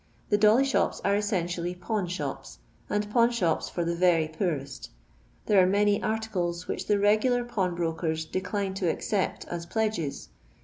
The dolly shops are essentially pawn shops, and pawn shops for the very poorest There are many arfcidci which the regular pawnbrokers decline to accept as pledges.